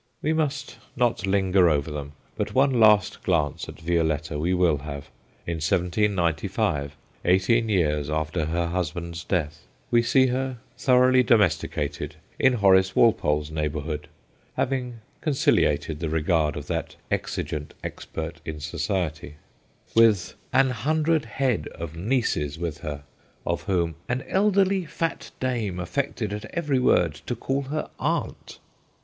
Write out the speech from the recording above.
We must not linger over them, but one last glance at Violetta we will have in 1795, eighteen years after her husband's death. We see her thoroughly domesticated, in Horace Walpole's neighbourhood (having conciliated the regard of that exigent expert in society), with ' an hundred head of nieces 122 THE GHOSTS OF PICCADILLY with her,' of whom, 'an elderly fat dame affected at every word to call her Aunt.'